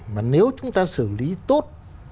mà nếu chúng ta xử lý tốt